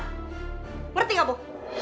ngerti gak bu